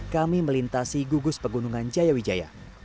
kami melintasi gugus pegunungan jayawijaya